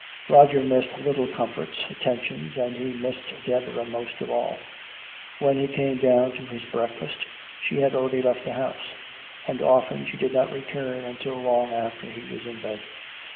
Roger missed little comforts, attentions, and he missed Deborah most of all. When he came down to his breakfast she had already left the house, and often she did not return until long after he was in bed.